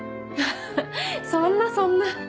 あぁそんなそんな。